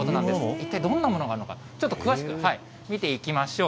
一体どんなものがあるのか、ちょっと詳しく見ていきましょう。